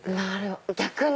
逆に！